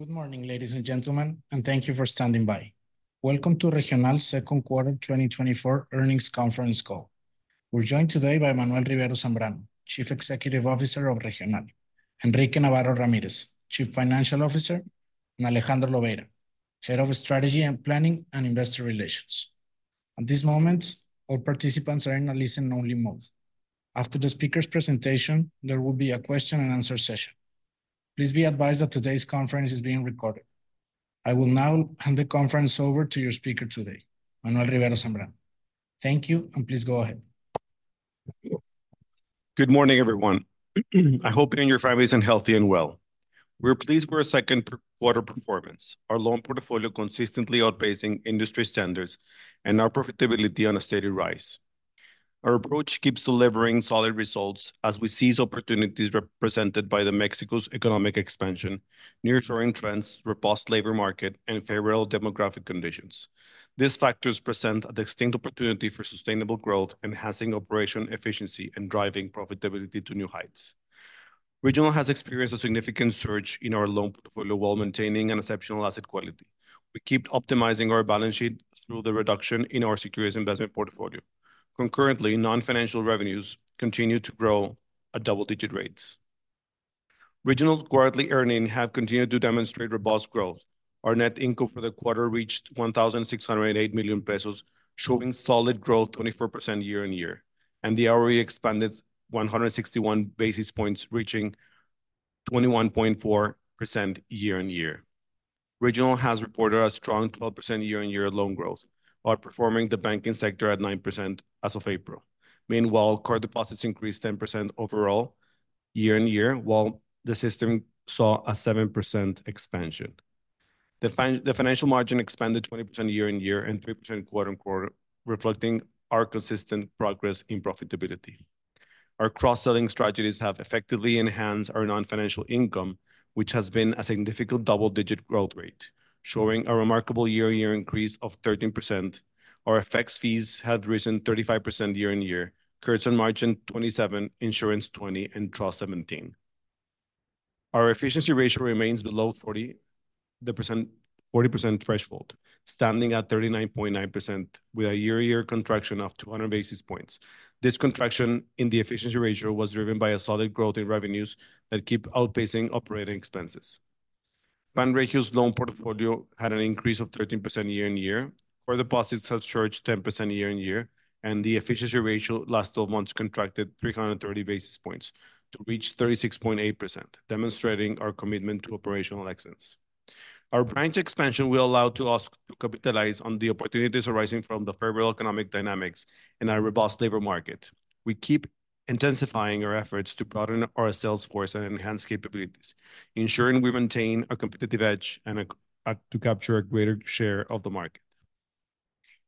Good morning, ladies and gentlemen, and thank you for standing by. Welcome to Regional S.A.B. 2024 Earnings Conference Call. We're joined today by Manuel Rivero Zambrano, Chief Executive Officer of Regional; Enrique Navarro Ramírez, Chief Financial Officer; and Alejandro Lobeira, Head of Strategy and Planning and Investor Relations. At this moment, all participants are in a listen-only mode. After the speaker's presentation, there will be a question-and-answer session. Please be advised that today's conference is being recorded. I will now hand the conference over to your speaker today, Manuel Rivero Zambrano. Thank you, and please go ahead. Good morning, everyone. I hope you're in your families and healthy and well. We're pleased with our second-quarter performance, our loan portfolio consistently outpacing industry standards, and our profitability on a steady rise. Our approach keeps delivering solid results as we seize opportunities represented by Mexico's economic expansion, nearshoring trends, robust labor market, and favorable demographic conditions. These factors present a distinct opportunity for sustainable growth, enhancing operational efficiency and driving profitability to new heights. Regional has experienced a significant surge in our loan portfolio while maintaining an exceptional asset quality. We keep optimizing our balance sheet through the reduction in our securities investment portfolio. Concurrently, non-financial revenues continue to grow at double-digit rates. Regional's quarterly earnings have continued to demonstrate robust growth. Our net income for the quarter reached 1,608 million pesos, showing solid growth, 24% year-on-year, and the ROE expanded 161 basis points, reaching 21.4% year-on-year. Regional has reported a strong 12% year-on-year loan growth, outperforming the banking sector at 9% as of April. Meanwhile, core deposits increased 10% overall year-on-year, while the system saw a 7% expansion. The financial margin expanded 20% year-on-year and 3% quarter-on-quarter, reflecting our consistent progress in profitability. Our cross-selling strategies have effectively enhanced our non-interest income, which has been a significant double-digit growth rate, showing a remarkable year-on-year increase of 13%. Our FX fees have risen 35% year-on-year, card services margin 27%, insurance 20%, and trade 17%. Our efficiency ratio remains below 40% threshold, standing at 39.9%, with a year-on-year contraction of 200 basis points. This contraction in the efficiency ratio was driven by solid growth in revenues that keep outpacing operating expenses. Banregio's loan portfolio had an increase of 13% year-on-year. Core deposits have surged 10% year-on-year, and the efficiency ratio last 12 months contracted 330 basis points to reach 36.8%, demonstrating our commitment to operational excellence. Our branch expansion will allow us to capitalize on the opportunities arising from the favorable economic dynamics and our robust labor market. We keep intensifying our efforts to broaden our sales force and enhance capabilities, ensuring we maintain a competitive edge and to capture a greater share of the market.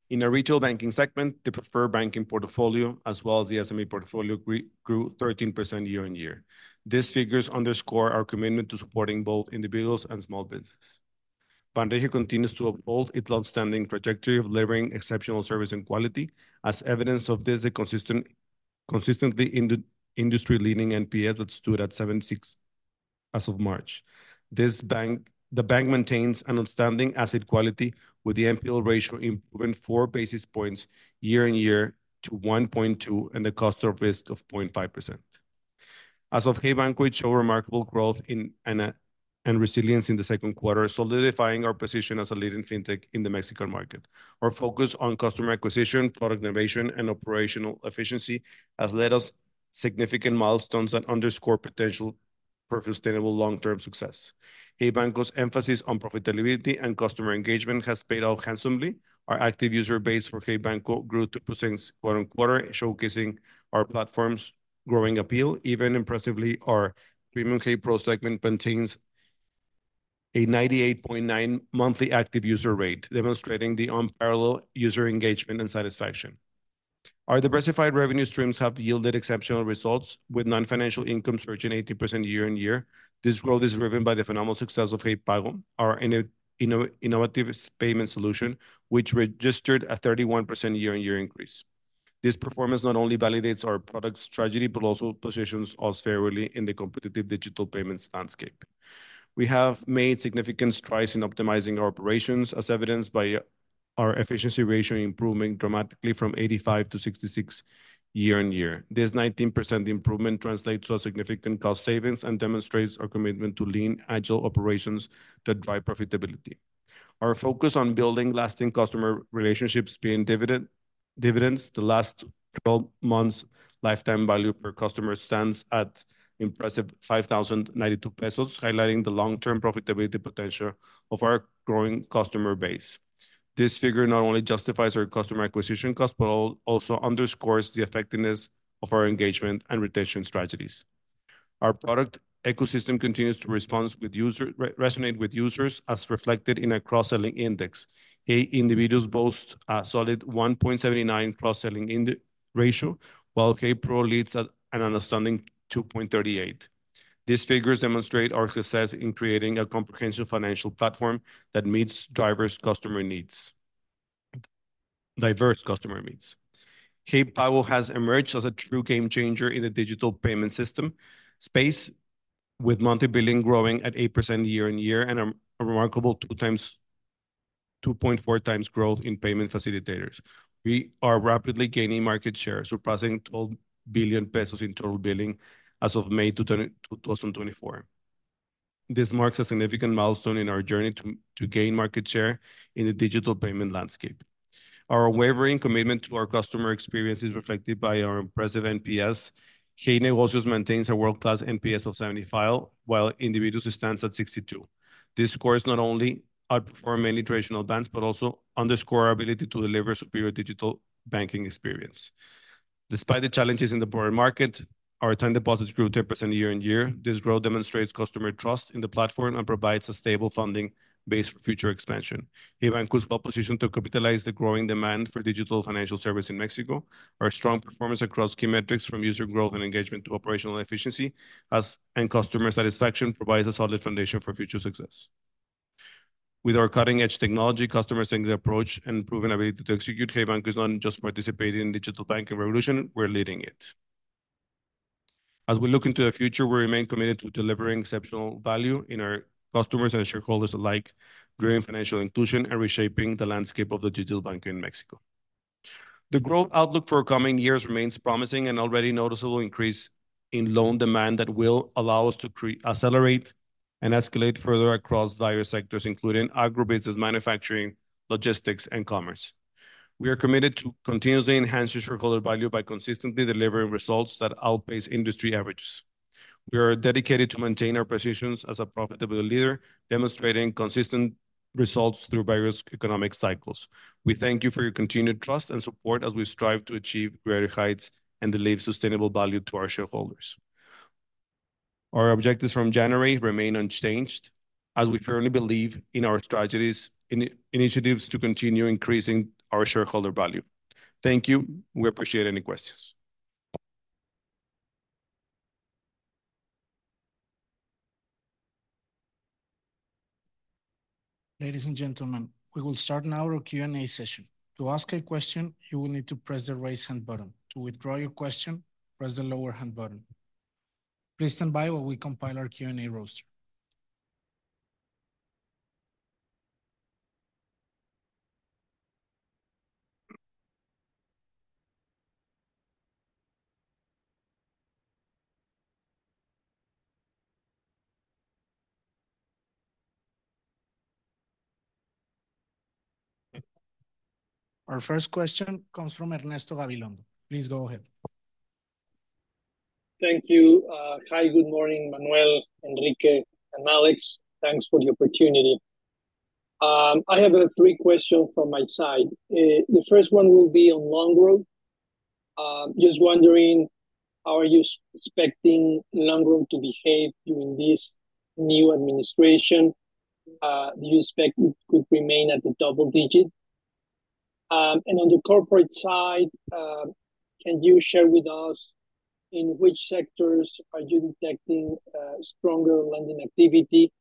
In our retail banking segment, the preferred banking portfolio, as well as the SME portfolio, grew 13% year-on-year. These figures underscore our commitment to supporting both individuals and small businesses. Banregio continues to uphold its outstanding trajectory of delivering exceptional service and quality, as evidenced by the consistently industry-leading NPS that stood at 76% as of March. The bank maintains an outstanding asset quality, with the NPL ratio improving 4 basis points year-on-year to 1.2% and a cost of risk of 0.5%. As of Hey Banco show remarkable growth and resilience in the second quarter, solidifying our position as a leading fintech in the Mexican market. Our focus on customer acquisition, product innovation, and operational efficiency has led us to significant milestones that underscore potential for sustainable long-term success. Hey Banco's emphasis on profitability and customer engagement has paid off handsomely. Our active user base for Hey Banco grew to 16%, showcasing our platform's growing appeal. Even impressively, our premium Hey Pro segment maintains a 98.9% monthly active user rate, demonstrating the unparalleled user engagement and satisfaction. Our diversified revenue streams have yielded exceptional results, with non-financial income surging 80% year-on-year. This growth is driven by the phenomenal success of Hey Pago, our innovative payment solution, which registered a 31% year-on-year increase. This performance not only validates our product strategy but also positions us favorably in the competitive digital payments landscape. We have made significant strides in optimizing our operations, as evidenced by our efficiency ratio improving dramatically from 85%-66% year-on-year. This 19% improvement translates to significant cost savings and demonstrates our commitment to lean, agile operations that drive profitability. Our focus on building lasting customer relationships paid dividends. The last 12 months' lifetime value per customer stands at impressive $5,092, highlighting the long-term profitability potential of our growing customer base. This figure not only justifies our customer acquisition costs but also underscores the effectiveness of our engagement and retention strategies. Our product ecosystem continues to resonate with users, as reflected in our cross-selling index. Hey Individuals boast a solid 1.79% cross-selling ratio, while Hey Pro leads at an astounding 2.38%. These figures demonstrate our success in creating a comprehensive financial platform that meets diverse customer needs. Diverse customer needs. Hey Pago has emerged as a true game changer in the digital payment system space, with monthly billing growing at 8% year-on-year and a remarkable 2.4 times growth in payment facilitators. We are rapidly gaining market share, surpassing $12 billion in total billing as of May 2024. This marks a significant milestone in our journey to gain market share in the digital payment landscape. Our unwavering commitment to our customer experience is reflected by our impressive NPS. Hey Negocios maintains a world-class NPS of 75, while individuals stands at 62. This score is not only outperforming any traditional banks but also underscores our ability to deliver a superior digital banking experience. Despite the challenges in the broader market, our time deposits grew 10% year-on-year. This growth demonstrates customer trust in the platform and provides a stable funding base for future expansion. Hey Banco's well-positioned to capitalize the growing demand for digital financial service in Mexico. Our strong performance across key metrics, from user growth and engagement to operational efficiency and customer satisfaction, provides a solid foundation for future success. With our cutting-edge technology, customer-centric approach, and proven ability to execute, Hey Banco is not just participating in the digital banking revolution. We're leading it. As we look into the future, we remain committed to delivering exceptional value in our customers and shareholders alike, driving financial inclusion and reshaping the landscape of the digital banking in Mexico. The growth outlook for coming years remains promising, and already noticeable increase in loan demand that will allow us to accelerate and escalate further across various sectors, including agribusiness, manufacturing, logistics, and commerce. We are committed to continuously enhancing shareholder value by consistently delivering results that outpace industry averages. We are dedicated to maintaining our positions as a profitable leader, demonstrating consistent results through various economic cycles. We thank you for your continued trust and support as we strive to achieve greater heights and deliver sustainable value to our shareholders. Our objectives from January remain unchanged, as we firmly believe in our strategies and initiatives to continue increasing our shareholder value. Thank you. We appreciate any questions. Ladies and gentlemen, we will start now our Q&A session. To ask a question, you will need to press the right-hand button. To withdraw your question, press the lower-hand button. Please stand by while we compile our Q&A roster. Our first question comes from Ernesto Gabilondo. Please go ahead. Thank you. Hi, good morning, Manuel, Enrique, and Alex. Thanks for the opportunity. I have three questions from my side. The first one will be on loan growth. Just wondering, how are you expecting loan growth to behave during this new administration? Do you expect it could remain at the double digit? And on the corporate side, can you share with us in which sectors are you detecting stronger lending activity?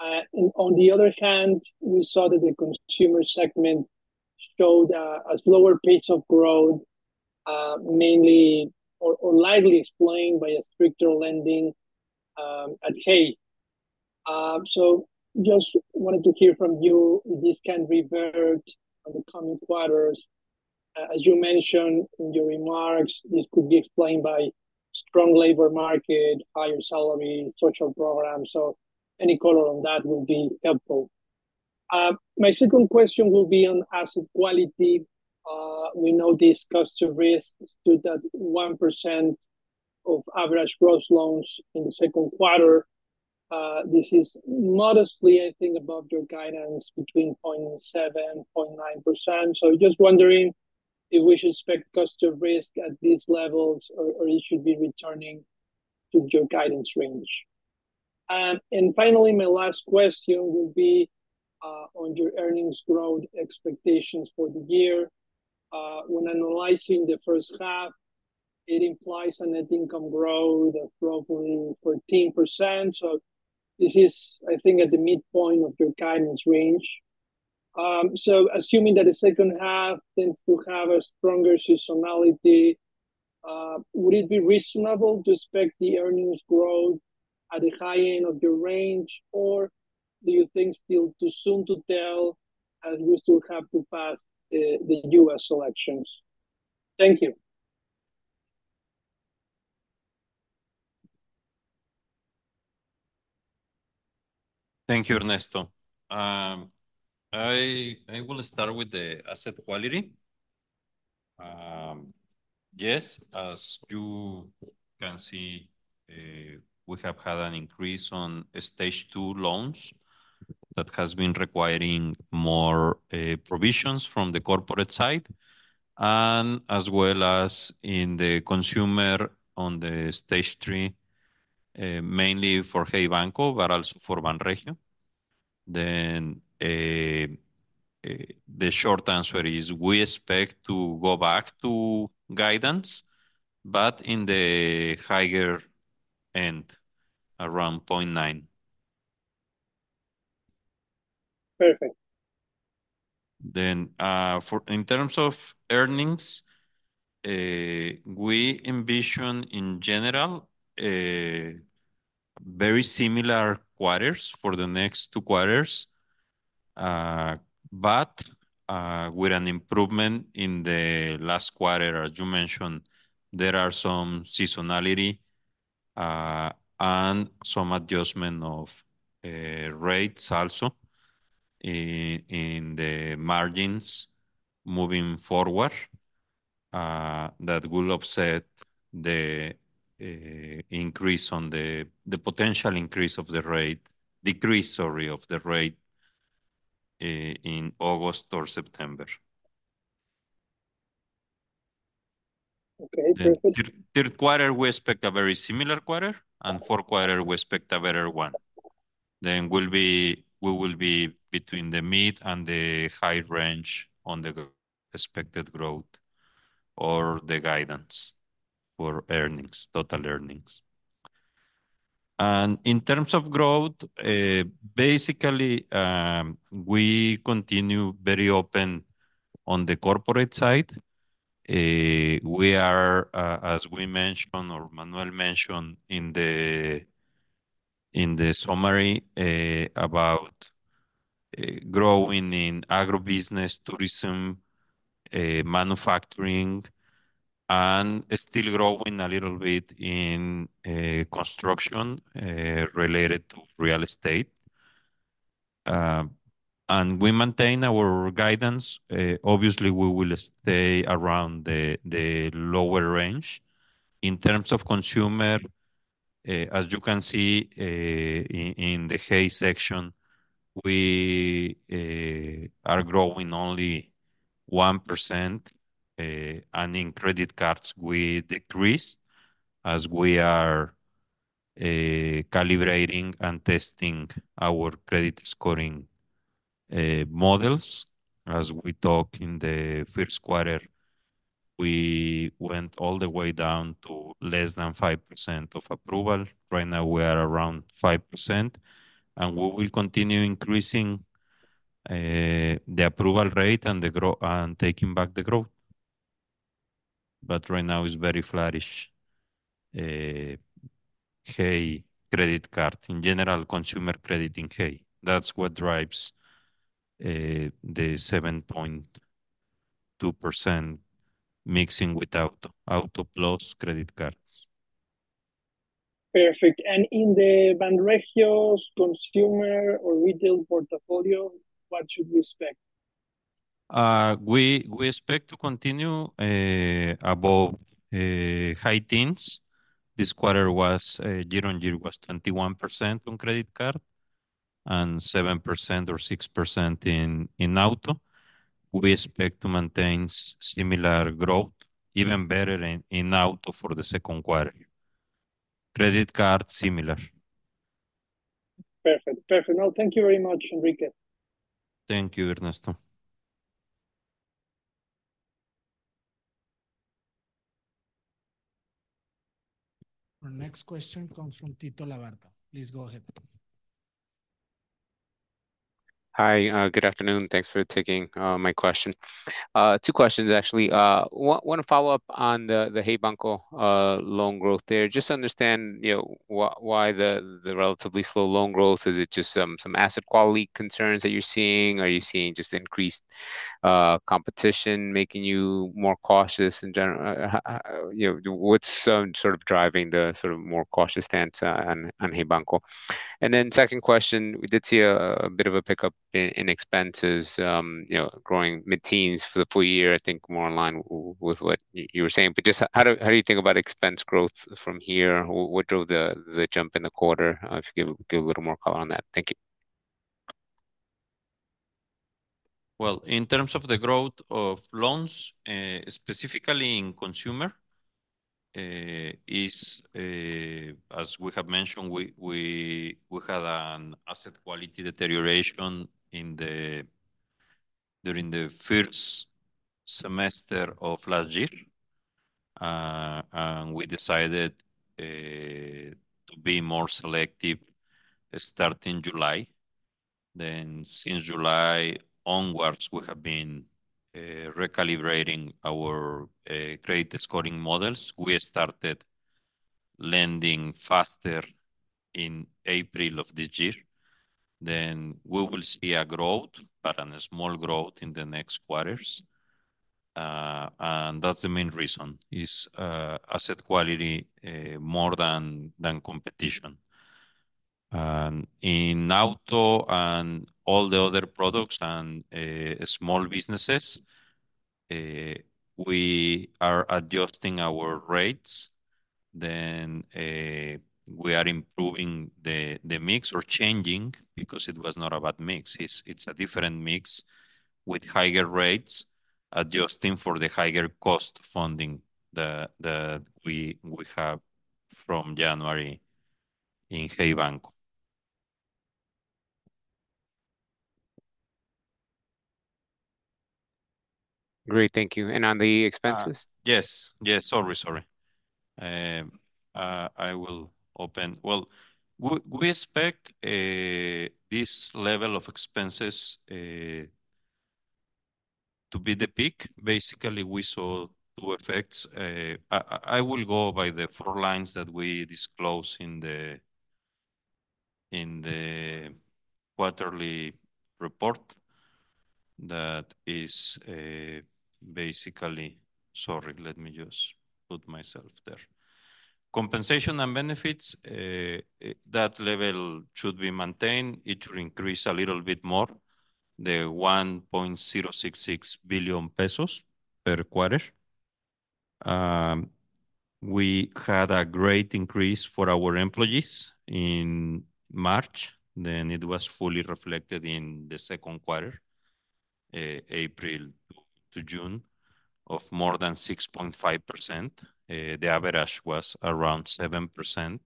And on the other hand, we saw that the consumer segment showed a slower pace of growth, mainly or likely explained by a stricter lending at Hey. So just wanted to hear from you if this can revert in the coming quarters. As you mentioned in your remarks, this could be explained by strong labor market, higher salary, social programs. So any color on that will be helpful. My second question will be on asset quality. We know this cost of risk stood at 1% of average gross loans in the second quarter. This is modestly, I think, above your guidance between 0.7% and 0.9%. Just wondering if we should expect cost of risk at these levels or it should be returning to your guidance range. Finally, my last question will be on your earnings growth expectations for the year. When analyzing the first half, it implies a net income growth of roughly 14%. This is, I think, at the midpoint of your guidance range. Assuming that the second half tends to have a stronger seasonality, would it be reasonable to expect the earnings growth at the high end of your range, or do you think still too soon to tell as we still have to pass the U.S. elections? Thank you. Thank you, Ernesto. I will start with the asset quality. Yes, as you can see, we have had an increase on Stage 2 loans that has been requiring more provisions from the corporate side, and as well as in the consumer on the Stage 3, mainly for Hey Banco, but also for Banregio. Then the short answer is we expect to go back to guidance, but in the higher end, around 0.9. Perfect. Then in terms of earnings, we envision in general very similar quarters for the next two quarters, but with an improvement in the last quarter. As you mentioned, there are some seasonality and some adjustment of rates also in the margins moving forward that will offset the increase on the potential increase of the rate, decrease, sorry, of the rate in August or September. Okay, perfect. Third quarter, we expect a very similar quarter, and fourth quarter, we expect a better one. Then we will be between the mid and the high range on the expected growth or the guidance for earnings, total earnings. In terms of growth, basically, we continue very open on the corporate side. We are, as we mentioned or Manuel mentioned in the summary about growing in agribusiness, tourism, manufacturing, and still growing a little bit in construction related to real estate. We maintain our guidance. Obviously, we will stay around the lower range. In terms of consumer, as you can see in the Hey section, we are growing only 1%, and in credit cards, we decreased as we are calibrating and testing our credit scoring models. As we talked in the first quarter, we went all the way down to less than 5% of approval. Right now, we are around 5%, and we will continue increasing the approval rate and taking back the growth. But right now, it's very flourishing Hey credit card. In general, consumer credit in Hey. That's what drives the 7.2% mixing with auto plus credit cards. Perfect. In the Banregio's consumer or retail portfolio, what should we expect? We expect to continue above high teens. This quarter was year-on-year, 21% on credit card and 7% or 6% in auto. We expect to maintain similar growth, even better in auto for the second quarter. Credit card, similar. Perfect. Perfect. No, thank you very much, Enrique. Thank you, Ernesto. Our next question comes from Tito Labarta. Please go ahead. Hi, good afternoon. Thanks for taking my question. Two questions, actually. One to follow up on the Hey Banco loan growth there. Just to understand why the relatively slow loan growth. Is it just some asset quality concerns that you're seeing? Are you seeing just increased competition making you more cautious in general? What's sort of driving the sort of more cautious stance on Hey Banco? And then second question, we did see a bit of a pickup in expenses growing mid-teens for the full year, I think more in line with what you were saying. But just how do you think about expense growth from here? What drove the jump in the quarter? If you could give a little more color on that. Thank you. Well, in terms of the growth of loans, specifically in consumer, as we have mentioned, we had an asset quality deterioration during the first semester of last year. We decided to be more selective starting July. Then, since July onwards, we have been recalibrating our credit scoring models. We started lending faster in April of this year. We will see a growth, but a small growth in the next quarters. That's the main reason: asset quality more than competition. In auto and all the other products and small businesses, we are adjusting our rates. We are improving the mix or changing because it was not a bad mix. It's a different mix with higher rates, adjusting for the higher cost funding that we have from January in Hey Banco. Great. Thank you. And on the expenses? Yes. Yes. Sorry, sorry. I will open. Well, we expect this level of expenses to be the peak. Basically, we saw two effects. I will go by the four lines that we disclose in the quarterly report that is basically sorry, let me just put myself there. Compensation and benefits, that level should be maintained. It should increase a little bit more, the 1.066 billion pesos per quarter. We had a great increase for our employees in March. Then it was fully reflected in the second quarter, April to June, of more than 6.5%. The average was around 7%.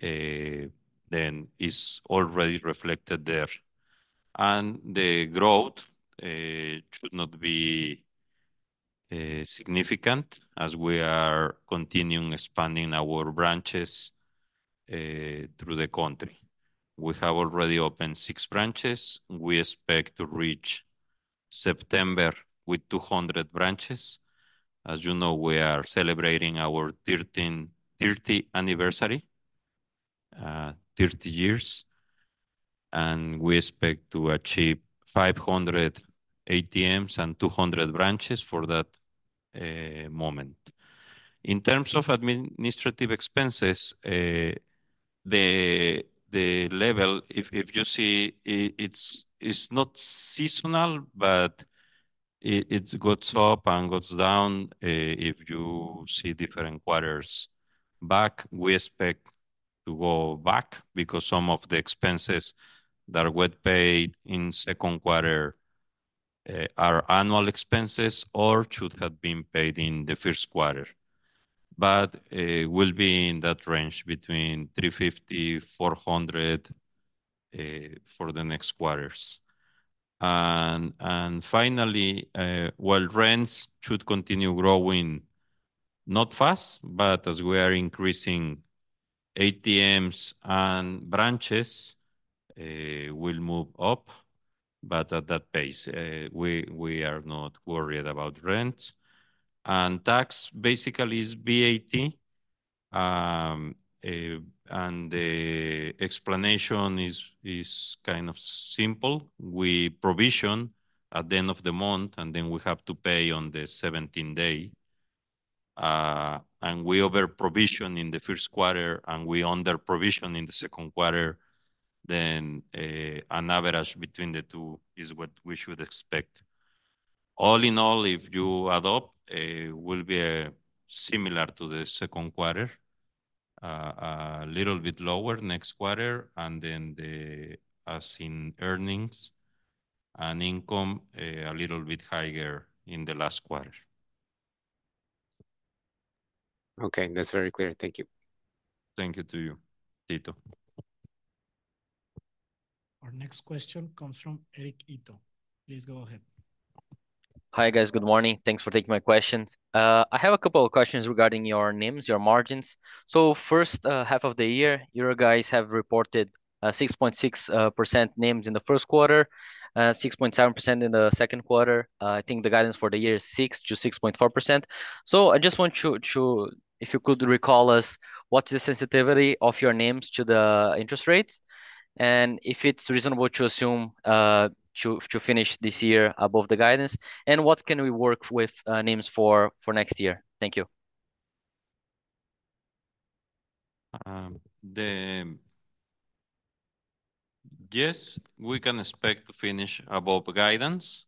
Then it's already reflected there. The growth should not be significant as we are continuing expanding our branches through the country. We have already opened 6 branches. We expect to reach September with 200 branches. As you know, we are celebrating our 30th anniversary, 30 years. We expect to achieve 500 ATMs and 200 branches for that moment. In terms of administrative expenses, the level, if you see, it's not seasonal, but it's got up and goes down if you see different quarters. Back, we expect to go back because some of the expenses that are well paid in second quarter are annual expenses or should have been paid in the first quarter. But we'll be in that range between 350-400 for the next quarters. Finally, while rents should continue growing, not fast, but as we are increasing ATMs and branches, we'll move up, but at that pace. We are not worried about rents. Tax basically is VAT. The explanation is kind of simple. We provision at the end of the month, and then we have to pay on the 17th day. We over-provision in the first quarter, and we under-provision in the second quarter. An average between the two is what we should expect. All in all, if you adopt, it will be similar to the second quarter, a little bit lower next quarter. Then as in earnings and income, a little bit higher in the last quarter. Okay. That's very clear. Thank you. Thank you to you, Tito. Our next question comes from Eric Ito. Please go ahead. Hi, guys. Good morning. Thanks for taking my questions. I have a couple of questions regarding your NIMs, your margins. So first half of the year, your guys have reported 6.6% NIMs in the first quarter, 6.7% in the second quarter. I think the guidance for the year is 6%-6.4%. So I just want you to, if you could recall us, what's the sensitivity of your NIMs to the interest rates and if it's reasonable to assume to finish this year above the guidance, and what can we work with NIMs for next year? Thank you. Yes, we can expect to finish above guidance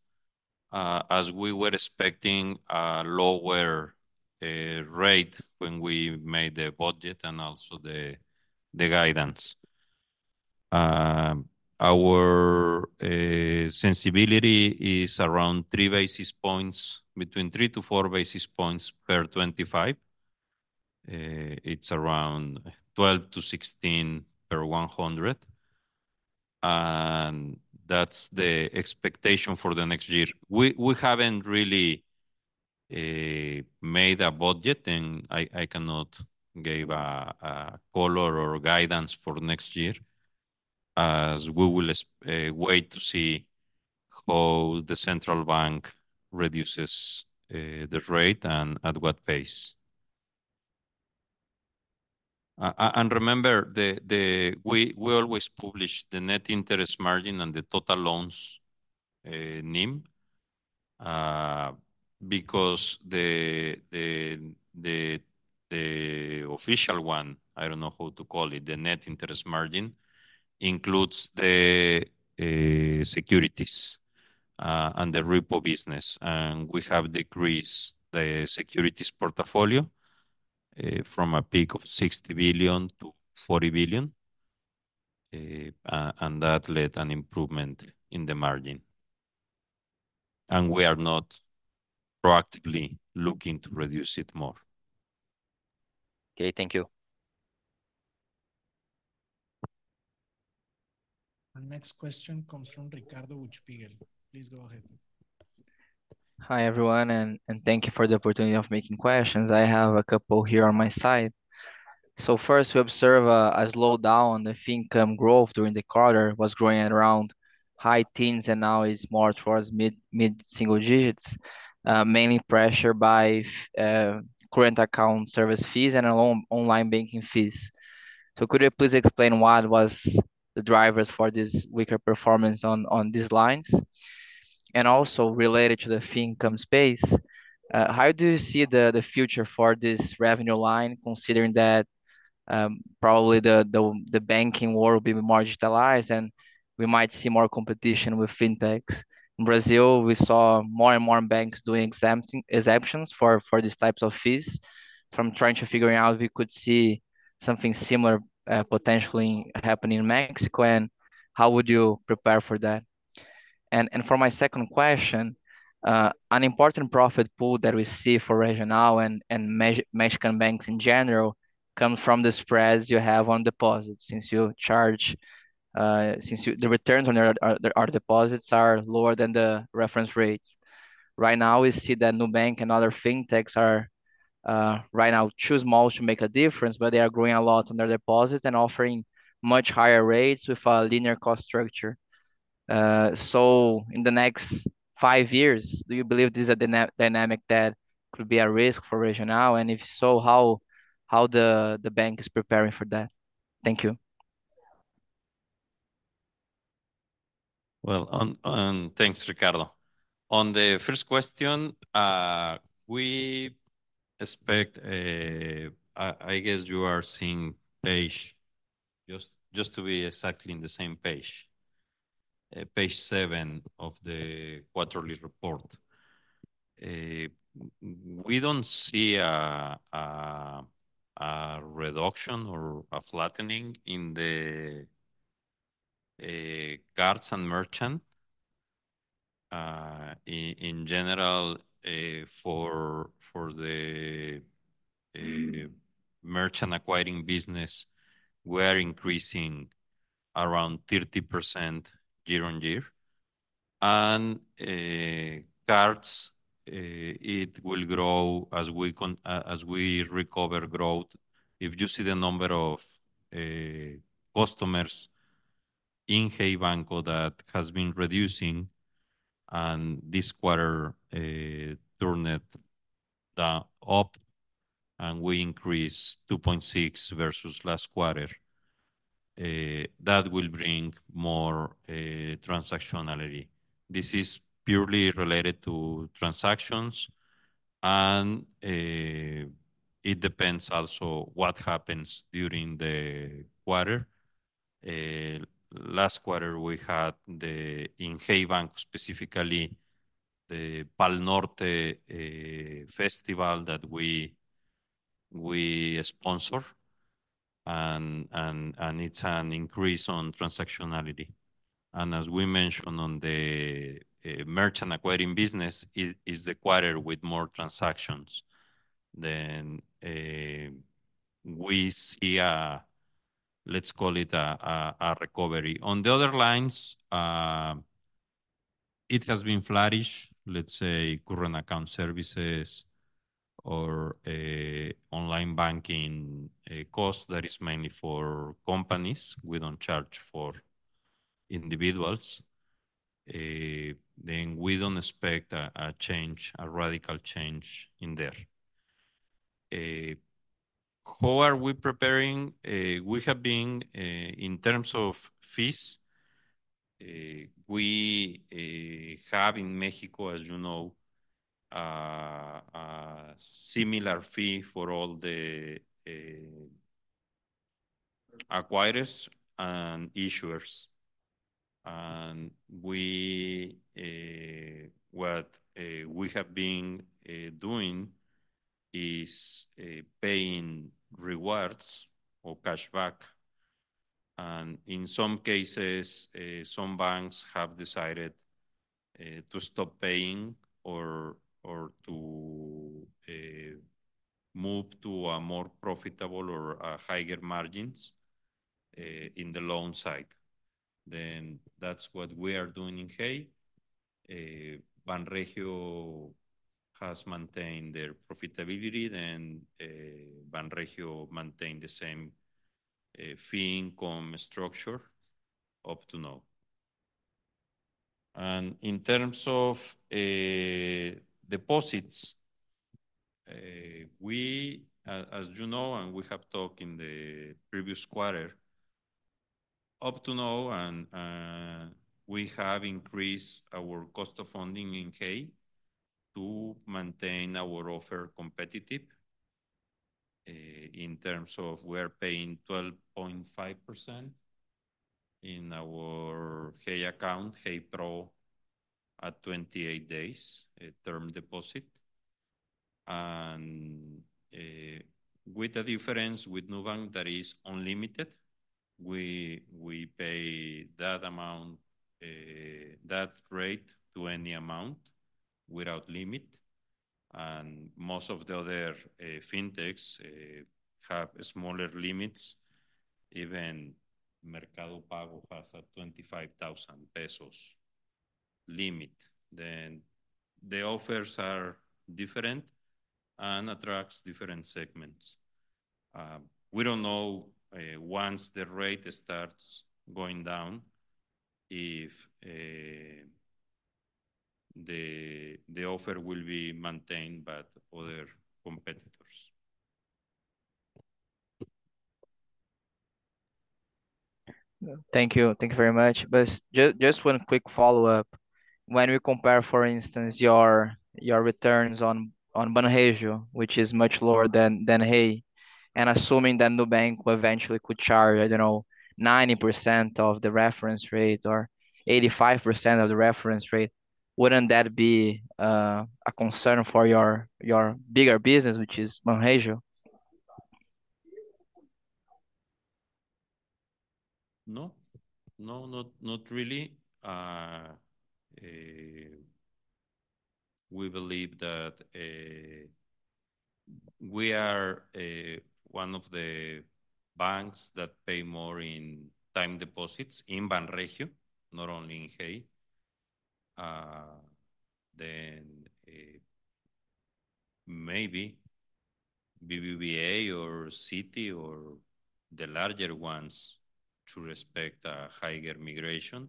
as we were expecting a lower rate when we made the budget and also the guidance. Our sensitivity is around 3 basis points, between 3basis points-4 basis points per 25. It's around 12 basis points-16 basis points per 100. That's the expectation for the next year. We haven't really made a budget, and I cannot give a color or guidance for next year as we will wait to see how the central bank reduces the rate and at what pace. Remember, we always publish the net interest margin and the total loans NIM because the official one, I don't know how to call it, the net interest margin includes the securities and the repo business. We have decreased the securities portfolio from a peak of 60 billion-40 billion. That led to an improvement in the margin. We are not proactively looking to reduce it more. Okay. Thank you. Our next question comes from Ricardo Buchpiguel. Please go ahead. Hi, everyone. Thank you for the opportunity of making questions. I have a couple here on my side. First, we observe a slowdown in the income growth during the quarter was growing at around high teens and now is more towards mid-single digits, mainly pressured by current account service fees and online banking fees. Could you please explain what was the drivers for this weaker performance on these lines? Also related to the fee income space, how do you see the future for this revenue line considering that probably the banking world will be more digitalized and we might see more competition with fintechs? In Brazil, we saw more and more banks doing exemptions for these types of fees. From trying to figure out, we could see something similar potentially happening in Mexico. How would you prepare for that? For my second question, an important profit pool that we see for Regional and Mexican banks in general comes from the spreads you have on deposits since the returns on your deposits are lower than the reference rates. Right now, we see that Nubank and other fintechs are right now too small to make a difference, but they are growing a lot on their deposits and offering much higher rates with a linear cost structure. So in the next five years, do you believe this is a dynamic that could be a risk for Regional? And if so, how the bank is preparing for that? Thank you. Well, and thanks, Ricardo. On the first question, we expect, I guess you are seeing page, just to be exactly in the same page, page 7 of the quarterly report. We don't see a reduction or a flattening in the cards and merchant. In general, for the merchant acquiring business, we are increasing around 30% year-on-year. And cards, it will grow as we recover growth. If you see the number of customers in Hey Banco that has been reducing and this quarter turned up and we increased 2.6 versus last quarter, that will bring more transactionality. This is purely related to transactions. And it depends also what happens during the quarter. Last quarter, we had the in Hey Banco specifically, the Pa'l Norte festival that we sponsor. And it's an increase on transactionality. As we mentioned on the merchant acquiring business, it is the quarter with more transactions than we see, let's call it a recovery. On the other lines, it has been flourished, let's say current account services or online banking costs that is mainly for companies. We don't charge for individuals. Then we don't expect a change, a radical change in there. How are we preparing? We have been in terms of fees. We have in Mexico, as you know, a similar fee for all the acquirers and issuers. And what we have been doing is paying rewards or cashback. And in some cases, some banks have decided to stop paying or to move to a more profitable or a higher margins in the loan side. Then that's what we are doing in Hey. Banregio has maintained their profitability. Then Banregio maintained the same fee income structure up to now. In terms of deposits, we, as you know, and we have talked in the previous quarter, up to now, and we have increased our cost of funding in Hey to maintain our offer competitive in terms of we are paying 12.5% in our Hey Account, Hey Pro at 28 days, a term deposit. And with a difference with Nubank that is unlimited, we pay that amount, that rate to any amount without limit. And most of the other fintechs have smaller limits. Even Mercado Pago has a MXN 25,000 limit. Then the offers are different and attract different segments. We don't know once the rate starts going down if the offer will be maintained by other competitors. Thank you. Thank you very much. But just one quick follow-up. When we compare, for instance, your returns on Banregio, which is much lower than Hey, and assuming that Nubank eventually could charge, I don't know, 90% of the reference rate or 85% of the reference rate, wouldn't that be a concern for your bigger business, which is Banregio? No. No, not really. We believe that we are one of the banks that pay more in time deposits in Banregio, not only in Hey. Then maybe BBVA or Citi or the larger ones to respect a higher migration.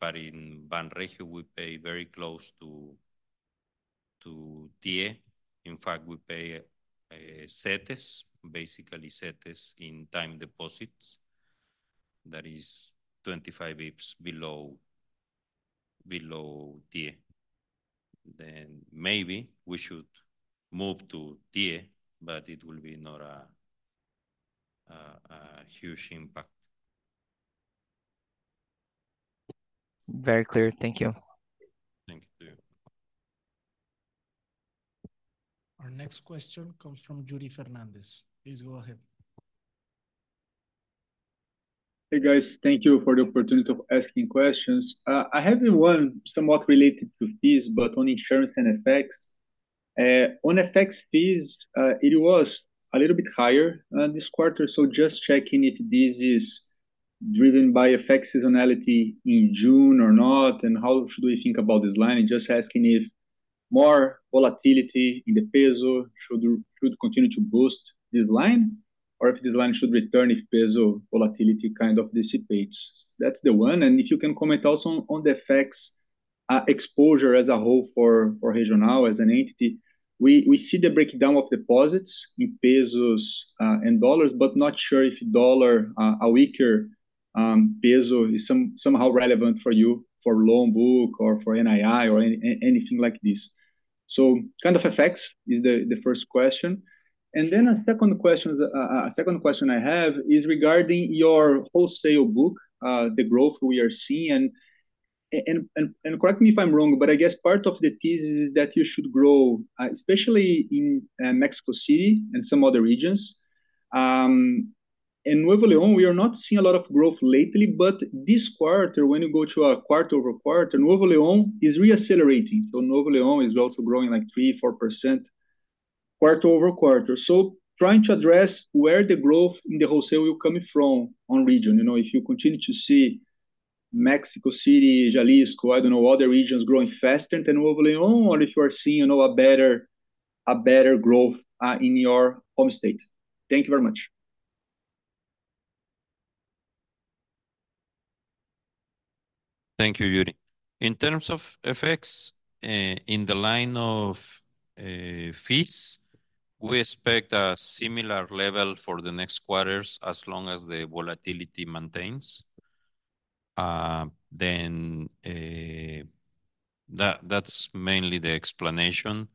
But in Banregio, we pay very close to TIIE. In fact, we pay CETES, basically CETES in time deposits. That is 25 basis points below TIIE. Then maybe we should move to TIIE, but it will be not a huge impact. Very clear. Thank you. Thank you to you. Our next question comes from Yuri Fernandes. Please go ahead. Hey, guys. Thank you for the opportunity of asking questions. I have one somewhat related to fees, but on insurance and FX. On FX fees, it was a little bit higher this quarter. So just checking if this is driven by FX seasonality in June or not, and how should we think about this line? And just asking if more volatility in the peso should continue to boost this line, or if this line should return if peso volatility kind of dissipates. That's the one. And if you can comment also on the FX exposure as a whole for Regional as an entity, we see the breakdown of deposits in pesos and dollars, but not sure if dollar a weaker peso is somehow relevant for you for loan book or for NII or anything like this. So kind of FX is the first question. Then a second question I have is regarding your wholesale book, the growth we are seeing. Correct me if I'm wrong, but I guess part of the thesis is that you should grow, especially in Mexico City and some other regions. In Nuevo León, we are not seeing a lot of growth lately, but this quarter, when you go to a quarter-over-quarter, Nuevo León is reaccelerating. Nuevo León is also growing like 3%-4% quarter-over-quarter. Trying to address where the growth in the wholesale will come from by region. If you continue to see Mexico City, Jalisco, I don't know, other regions growing faster than Nuevo León, or if you are seeing a better growth in your home state. Thank you very much. Thank you, Judy. In terms of FX in the line of fees, we expect a similar level for the next quarters as long as the volatility maintains. That's mainly the explanation.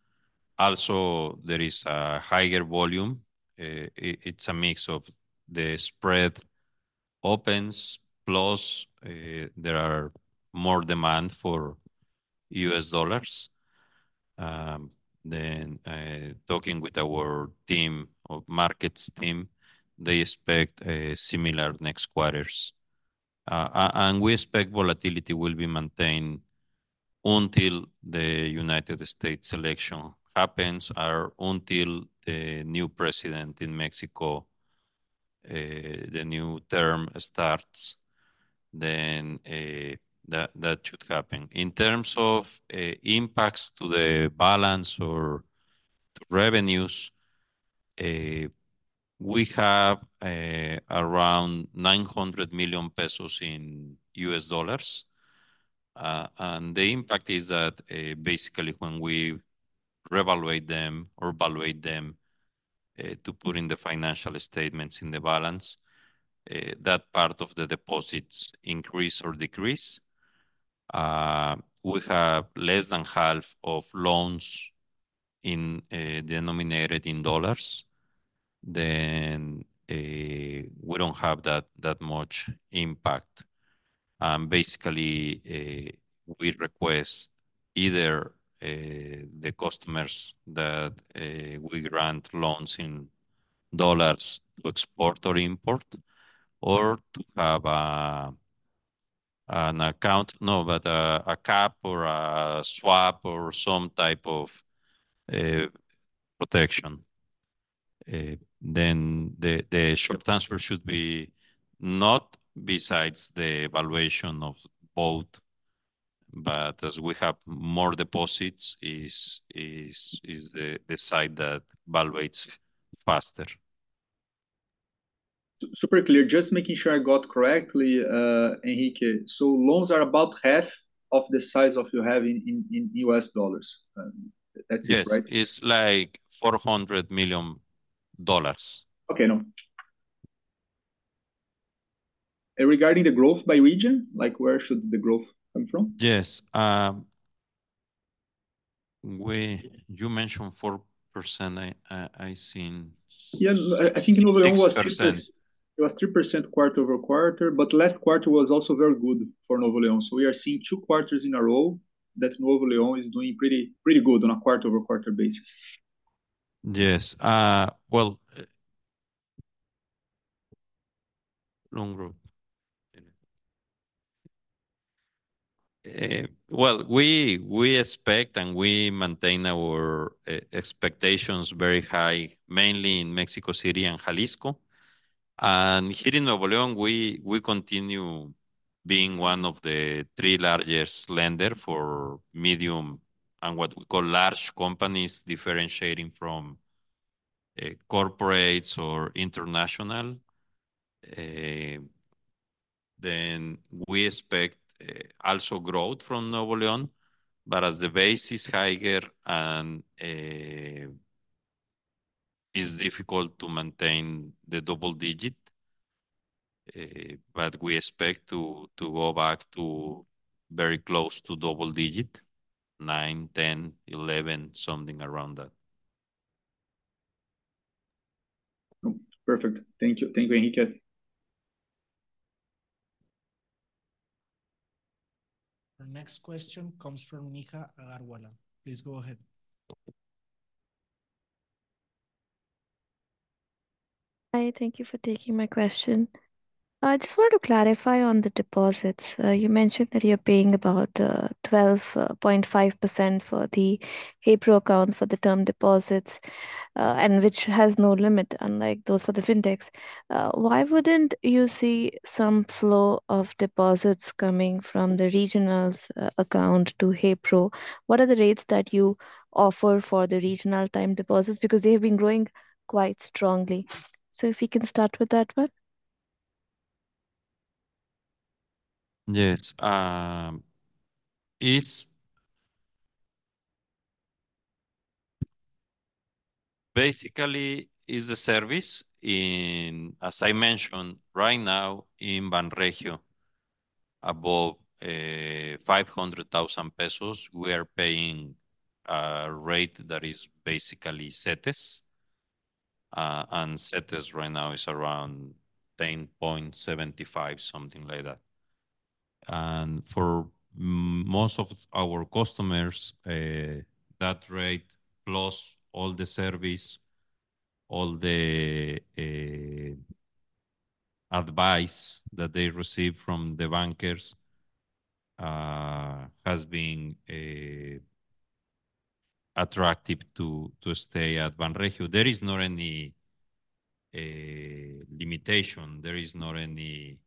Also, there is a higher volume. It's a mix of the spread opens plus there are more demand for US dollars. Talking with our team of markets team, they expect similar next quarters. We expect volatility will be maintained until the United States election happens or until the new president in Mexico, the new term starts. That should happen. In terms of impacts to the balance or to revenues, we have around 900 million pesos in US dollars. The impact is that basically when we revaluate them or valuate them to put in the financial statements in the balance, that part of the deposits increase or decrease. We have less than half of loans denominated in dollars. Then we don't have that much impact. And basically, we request either the customers that we grant loans in dollars to export or import, or to have an account, no, but a cap or a swap or some type of protection. Then the short transfer should be not besides the valuation of both, but as we have more deposits, is the side that valuates faster. Super clear. Just making sure I got correctly, Enrique. So loans are about half of the size of you have in US dollars. That's it, right? Yes. It's like $400 million. Okay. No. Regarding the growth by region, where should the growth come from? Yes. You mentioned 4%. I seen. Yeah. I think Nuevo León was 3%. It was 3% quarter-over-quarter, but last quarter was also very good for Nuevo León. So we are seeing two quarters in a row that Nuevo León is doing pretty good on a quarter-over-quarter basis. Yes. Well, wrong group. Well, we expect and we maintain our expectations very high, mainly in Mexico City and Jalisco. And here in Nuevo León, we continue being one of the 3 largest lenders for medium and what we call large companies differentiating from corporates or international. Then we expect also growth from Nuevo León, but as the base is higher and it's difficult to maintain the double digit, but we expect to go back to very close to double digit, 9, 10, 11, something around that. Perfect. Thank you. Thank you, Enrique. Our next question comes from Neha Alarguala. Please go ahead. Hi. Thank you for taking my question. I just wanted to clarify on the deposits. You mentioned that you're paying about 12.5% for the Hey Pro account for the term deposits, and which has no limit, unlike those for the fintechs. Why wouldn't you see some flow of deposits coming from the Regional's account to Hey Pro? What are the rates that you offer for the Regional time deposits? Because they have been growing quite strongly. So if we can start with that one. Yes. It's basically a service in, as I mentioned, right now in Banregio, above 500,000 pesos, we are paying a rate that is basically CETES. And CETES right now is around 10.75%, something like that. And for most of our customers, that rate plus all the service, all the advice that they receive from the bankers has been attractive to stay at Banregio. There is not any limitation. There is not any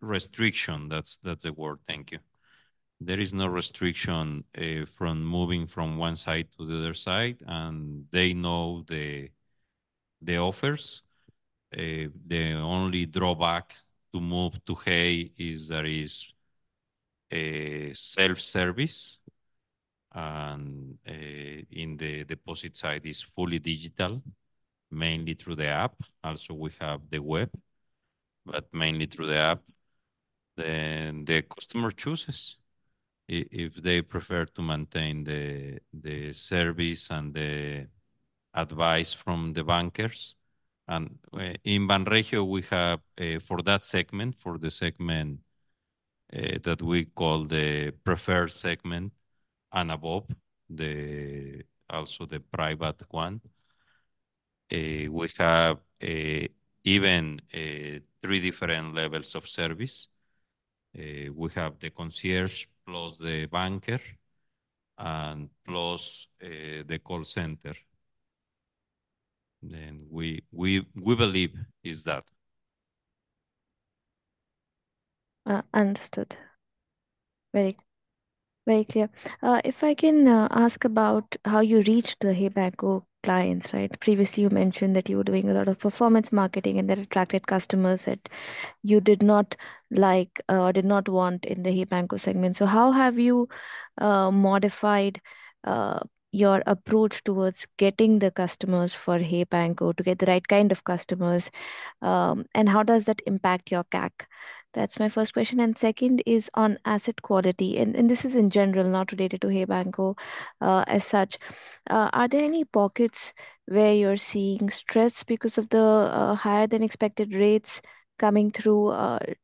restriction. That's the word. Thank you. There is no restriction from moving from one side to the other side. And they know the offers. The only drawback to move to Hey is that it's self-service. And in the deposit side, it's fully digital, mainly through the app. Also, we have the web, but mainly through the app. Then the customer chooses if they prefer to maintain the service and the advice from the bankers. In Banregio, we have for that segment, for the segment that we call the preferred segment and above, also the private one, we have even three different levels of service. We have the concierge plus the banker and plus the call center. Then we believe is that. Understood. Very clear. If I can ask about how you reached the Hey Banco clients, right? Previously, you mentioned that you were doing a lot of performance marketing and that attracted customers that you did not like or did not want in the Hey Banco segment. So how have you modified your approach towards getting the customers for Hey Banco to get the right kind of customers? And how does that impact your CAC? That's my first question. And second is on asset quality. And this is in general, not related to Hey Banco as such. Are there any pockets where you're seeing stress because of the higher-than-expected rates coming through?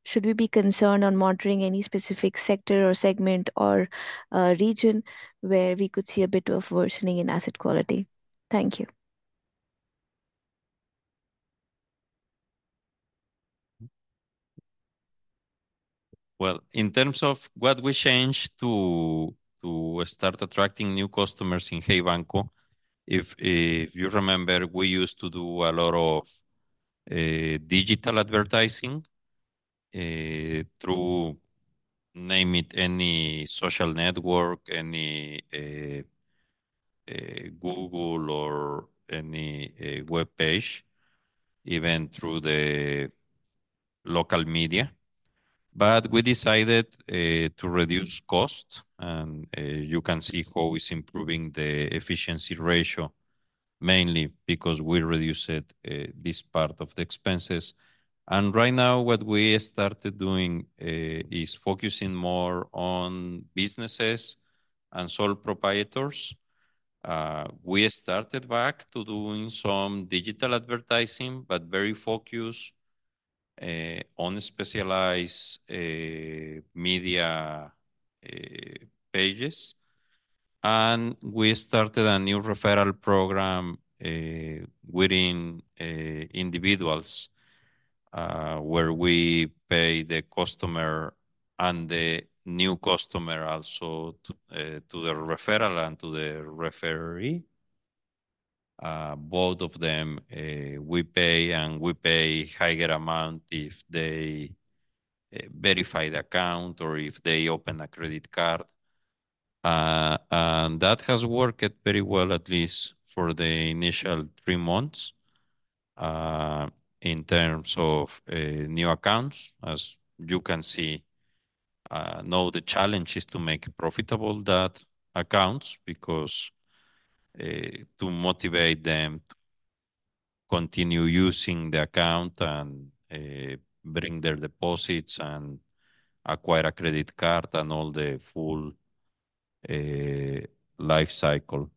Should we be concerned on monitoring any specific sector or segment or region where we could see a bit of worsening in asset quality? Thank you. Well, in terms of what we changed to start attracting new customers in Hey Banco, if you remember, we used to do a lot of digital advertising through you name it any social network, any Google or any web page, even through the local media. We decided to reduce costs. You can see how it's improving the efficiency ratio, mainly because we reduced this part of the expenses. Right now, what we started doing is focusing more on businesses and sole proprietors. We started back to doing some digital advertising, but very focused on specialized media pages. We started a new referral program within individuals where we pay the customer and the new customer also to the referral and to the referee. Both of them, we pay, and we pay a higher amount if they verify the account or if they open a credit card. That has worked very well, at least for the initial three months in terms of new accounts. As you can see, now the challenge is to make profitable that accounts because to motivate them to continue using the account and bring their deposits and acquire a credit card and all the full life cycle.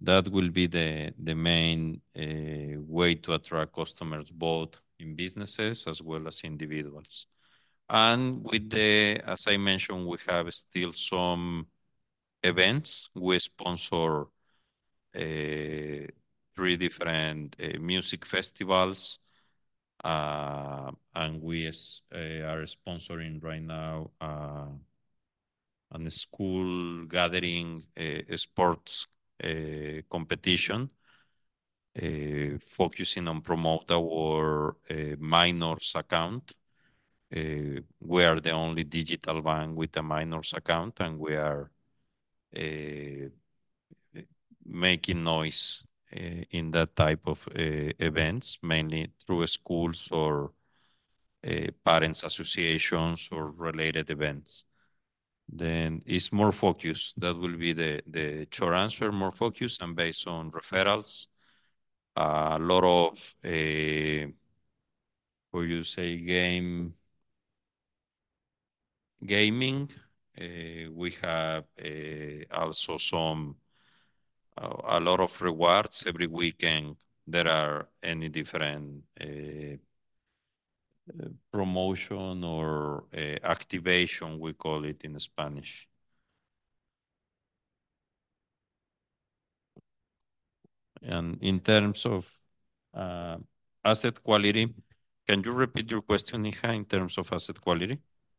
That will be the main way to attract customers both in businesses as well as individuals. With the, as I mentioned, we have still some events. We sponsor three different music festivals. We are sponsoring right now a school gathering sports competition focusing on promoting our minors account. We are the only digital bank with a minors account, and we are making noise in that type of events, mainly through schools or parents' associations or related events. It's more focused. That will be the short answer, more focused and based on referrals. A lot of, what do you say, gaming. We have also a lot of rewards every weekend that are any different promotion or activation, we call it in Spanish. In terms of asset quality, can you repeat your question, Neha, in terms of asset quality?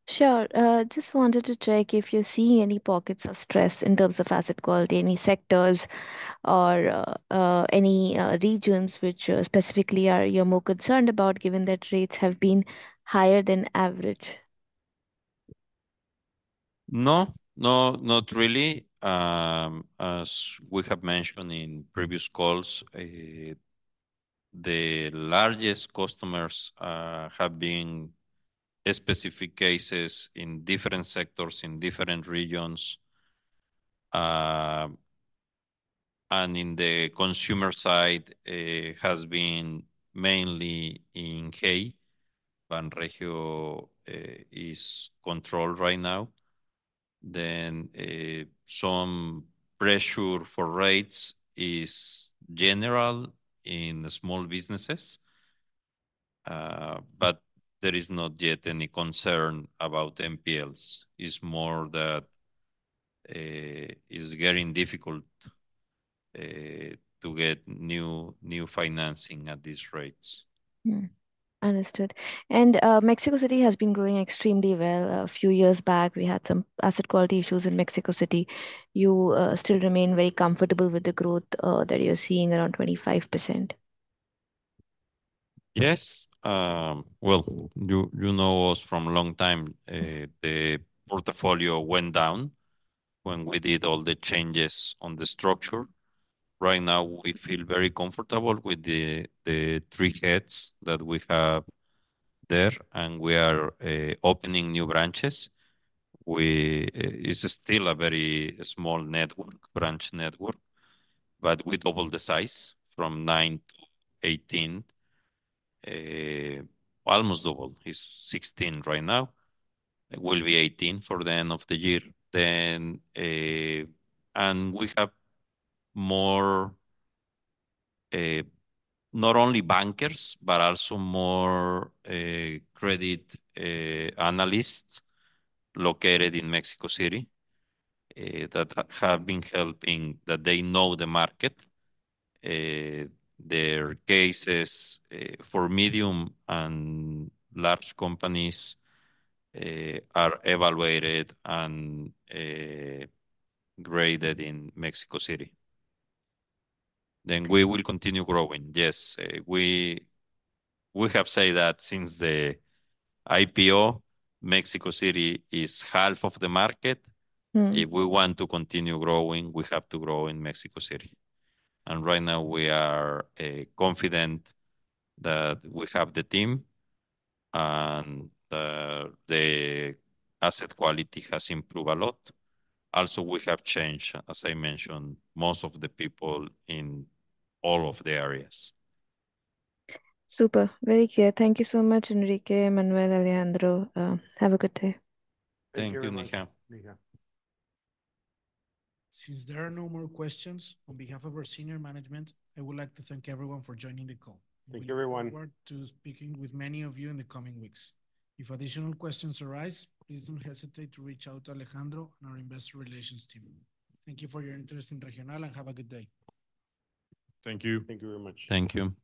Sure. Just wanted to check if you're seeing any pockets of stress in terms of asset quality, any sectors or any regions which specifically are you more concerned about given that rates have been higher than average? No, no, not really. As we have mentioned in previous calls, the largest customers have been specific cases in different sectors, in different regions. In the consumer side, it has been mainly in Hey. Banregio is controlled right now. Some pressure for rates is general in small businesses, but there is not yet any concern about NPLs. It's more that it's getting difficult to get new financing at these rates. Understood. Mexico City has been growing extremely well. A few years back, we had some asset quality issues in Mexico City. You still remain very comfortable with the growth that you're seeing around 25%? Yes. Well, you know us from a long time. The portfolio went down when we did all the changes on the structure. Right now, we feel very comfortable with the three heads that we have there, and we are opening new branches. It's still a very small branch network, but we doubled the size from 9 to 18. Almost doubled. It's 16 right now. It will be 18 for the end of the year. And we have more not only bankers, but also more credit analysts located in Mexico City that have been helping, that they know the market. Their cases for medium and large companies are evaluated and graded in Mexico City. Then we will continue growing. Yes. We have said that since the IPO, Mexico City is half of the market. If we want to continue growing, we have to grow in Mexico City. Right now, we are confident that we have the team and the asset quality has improved a lot. Also, we have changed, as I mentioned, most of the people in all of the areas. Super. Very clear. Thank you so much, Enrique, Manuel, Alejandro. Have a good day. Thank you, Neha. Since there are no more questions on behalf of our senior management, I would like to thank everyone for joining the call. Thank you, everyone. Thank you for speaking with many of you in the coming weeks. If additional questions arise, please don't hesitate to reach out to Alejandro and our investor relations team. Thank you for your interest in Regional and have a good day. Thank you. Thank you very much. Thank you.